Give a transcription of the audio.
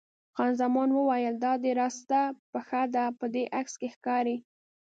خان زمان وویل: دا دې راسته پښه ده، په عکس کې یې ښکاري.